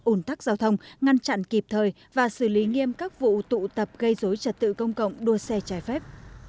ủn tắc giao thông ngăn chặn kịp thời và xử lý nghiêm các vụ tụ tập gây dối trật tự công cộng đua xe trái phép